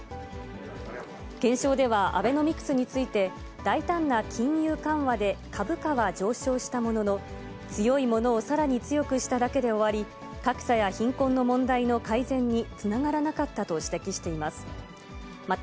検証ではアベノミクスについて、大胆な金融緩和で株価は上昇したものの、強い者をさらに強くしただけで終わり、格差や貧困の問題の改善につながらなかったと指摘しています。